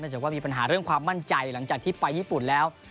จากว่ามีปัญหาเรื่องความมั่นใจหลังจากที่ไปญี่ปุ่นแล้ว